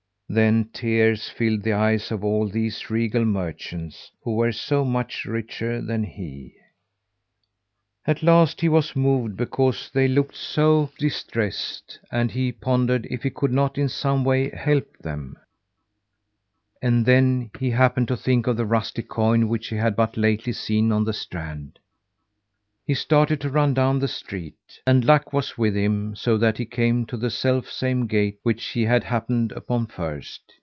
Then tears filled the eyes of all these regal merchants, who were so much richer than he. At last he was moved because they looked so distressed, and he pondered if he could not in some way help them. And then he happened to think of the rusty coin, which he had but lately seen on the strand. He started to run down the street, and luck was with him so that he came to the self same gate which he had happened upon first.